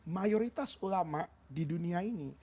mayoritas ulama di dunia ini